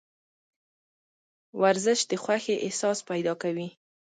ورزش د خوښې احساس پیدا کوي.